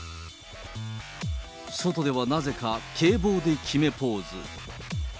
外ではなぜか警棒で決めポーズ。